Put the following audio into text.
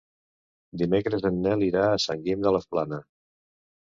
Dimecres en Nel irà a Sant Guim de la Plana.